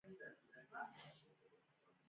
ګل جانې: هغه د یوه راغلل، بګۍ والا خپل آس ودراوه.